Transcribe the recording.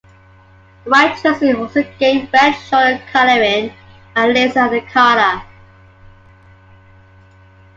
The white jersey also gained red shoulder coloring and laces at the collar.